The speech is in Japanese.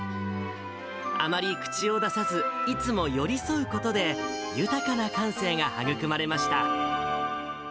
あまり口を出さず、いつも寄り添うことで、豊かな感性が育まれました。